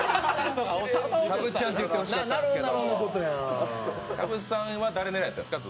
たぶっちゃんって言ってほしかったんですけど。